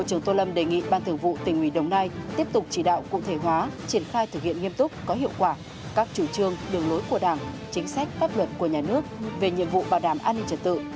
trưởng tô lâm đề nghị ban thường vụ tỉnh ủy đồng nai tiếp tục chỉ đạo cụ thể hóa triển khai thực hiện nghiêm túc có hiệu quả các chủ trương đường lối của đảng chính sách pháp luật của nhà nước về nhiệm vụ bảo đảm an ninh trật tự